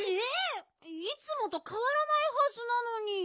いつもとかわらないはずなのに。